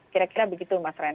kira kira begitu mas ren